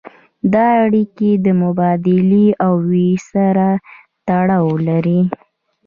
دا اړیکې د مبادلې او ویش سره تړاو لري.